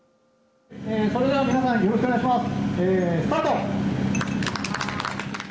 それでは皆さんよろしくお願いします。